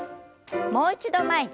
もう一度前に。